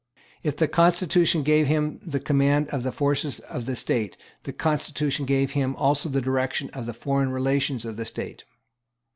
If the constitution gave him the command of the forces of the State, the constitution gave him also the direction of the foreign relations of the State.